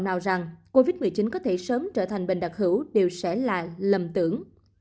nào rằng covid một mươi chín có thể sớm trở thành bệnh đặc hữu đều sẽ lại lầm tưởng